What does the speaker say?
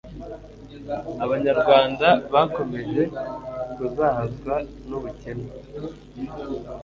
Abanyarwanda bakomeje kuzahazwa n'ubukene,